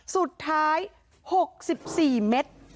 สุดท้าย๖๔เมตร